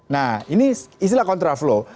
nah ini istilah kontraflo